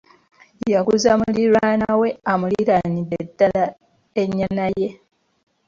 Yaguza muliraanwa we amuliraanidde ddaala ennyana ye.